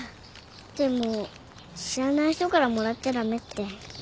でも知らない人からもらっちゃ駄目って。